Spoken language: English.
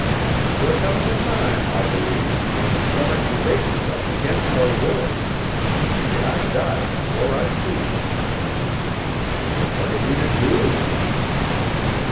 There comes a time, I believe, when the stomach debases us against our wills. May I die before I see it." "But what are we to do?"